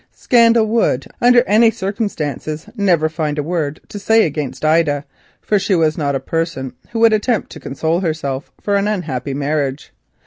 Scandal would, under any circumstances, never find a word to say against Ida, for she was not a person who could attempt to console herself for an unhappy marriage.